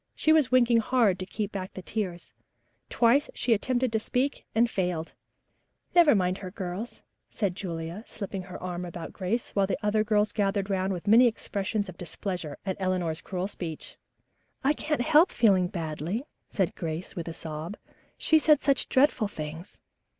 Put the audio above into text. She was winking hard to keep back the tears. Twice she attempted to speak and failed. "Never mind her, dear," said Julia, slipping her arm about Grace, while the other girls gathered round with many expressions of displeasure at Eleanor's cruel speech. "I can't help feeling badly," said Grace, with a sob. "She said such dreadful things."